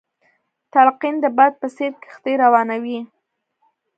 تلقين د باد په څېر کښتۍ روانوي.